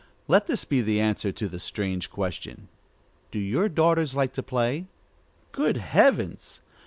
Let this be the answer to the strange question, Do your daughters like to play? Good heavens!